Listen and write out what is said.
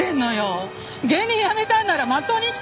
芸人やめたんならまっとうに生きてよ！